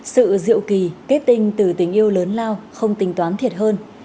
sự diệu kỳ kết tinh từ tình yêu lớn lao không tính toán thiệt hơn